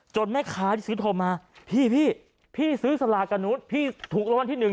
จนแม่ค้าที่ซื้อโทรมาพี่พี่พี่ซื้อสลากกะนุดพี่ถูกร้อนที่หนึ่ง